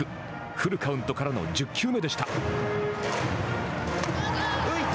フルカウントからの１０球目でした。